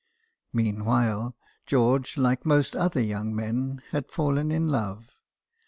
Meanwhile, George, like most other young men, had fallen in love.